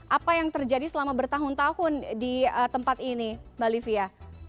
apa yang terjadi selama bertahun tahun di tempat ini mbak livia